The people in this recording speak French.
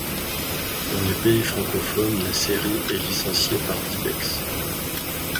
Dans les pays francophones, la série est licenciée par Dybex.